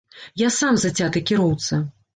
Я сам зацяты кіроўца.